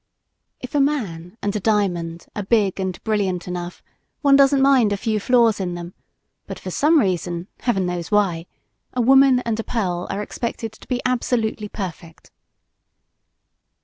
If a man and a diamond are big and brilliant enough, one doesn't mind a few flaws in them; but, for some reason, Heaven knows why, a woman and a pearl are expected to be absolutely perfect.